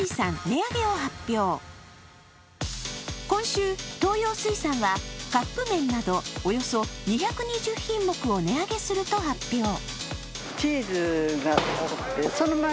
今週、東洋水産はカップ麺など、およそ２２０品目を値上げすると発表